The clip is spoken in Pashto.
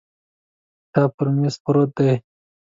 کتاب پر مېز پروت دی.